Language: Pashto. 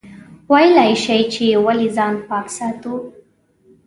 ویلای شئ چې ولې ځان پاک ساتو؟